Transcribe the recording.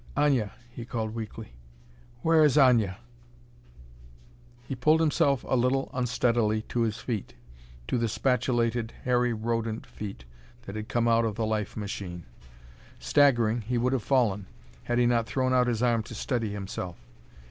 "Aña!" he called weakly. "Where is Aña?" He pulled himself a little unsteadily to his feet to the spatulated, hairy rodent feet that had come out of the life machine. Staggering, he would have fallen, had he not thrown out his arm to steady himself.